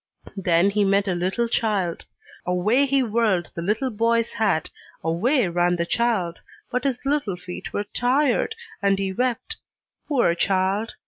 Then he met a little child: away he whirled the little boy's hat, away ran the child, but his little feet were tired, and he wept, poor child!